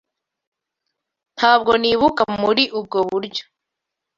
Ntabwo nibuka muri ubwo buryo.